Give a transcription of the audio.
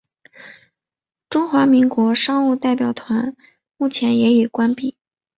中华民国商务代表团目前也已关闭。